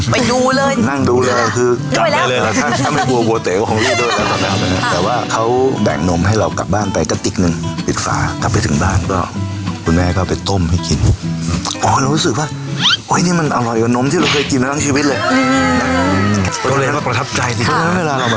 ไปดูเลยนี่คือครับเดี๋ยวเธอแบ่งมาเลยนะ